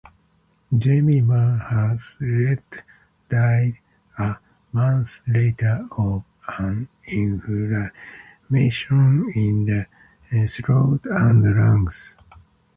Jemima Haslet died a month later of an inflammation in the throat and lungs.